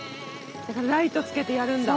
ライトつけてやるんだ。